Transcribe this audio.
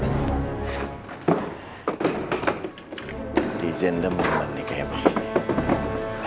nanti izin demam nih kayak begini